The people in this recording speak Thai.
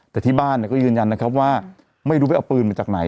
แต่ที่บ้านก็ยืนยันนะครับว่าไม่รู้ไปเอาปืนมาจากไหน